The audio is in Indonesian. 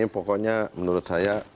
pokoknya menurut saya